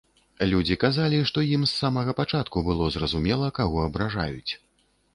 Людзі казалі, што ім з самага пачатку было зразумела, каго абражаюць.